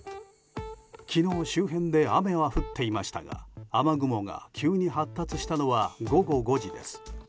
昨日、周辺で雨は降っていましたが雨雲が急に発達したのは午後５時です。